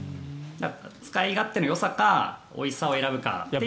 使い勝手のよさかおいしさを選ぶか。